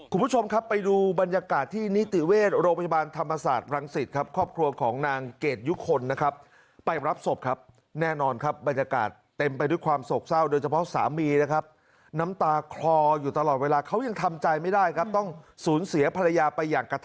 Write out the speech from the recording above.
คุณผู้ชมครับไปดูบรรยกาตที่นิติเวศโรประอบคาบินธรรมศาสตร์รังศิษย์ครับ